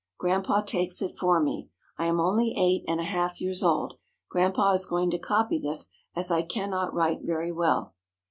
Grandpa takes it for me. I am only eight and a half years old. Grandpa is going to copy this, as I can not write very well.